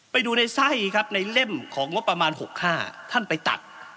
ไปดูในไส้ครับในเล่มของงบประมาณ๖๕ท่านไปตัด